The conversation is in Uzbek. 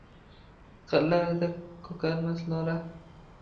Qirlarida ko‘karmas lola.